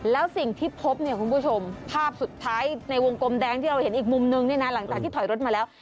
แล้วสิ่งที่พบเนี่ยคุณผู้ชมภาพสุดท้ายในวงกลมแดงที่เราเห็นอีกมุมนึงเนี่ยนะหลังจากที่ถอยรถมาแล้ว